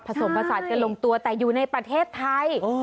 ผสมภาษาที่ลงตัวแต่อยู่ในประเทศไทย